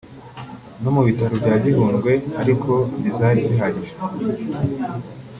no mu bitaro bya Gihundwe ariko ntizari zihagije